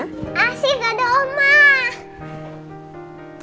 asyik ada oma